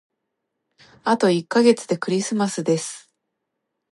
あと一ヶ月でクリスマスです。